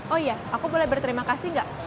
oh iya aku boleh berterima kasih gak